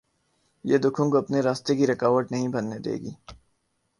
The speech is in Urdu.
یہ دکھوں کو اپنے راستے کی رکاوٹ نہیں بننے دے گی۔